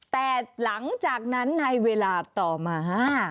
แต่หลังจากนั้นในเวลาต่อมา